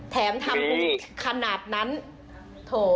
แถมทำขนาดนั้นโถ่เอ้ย